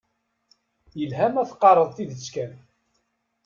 Yelha ma teqqareḍ tidet kan.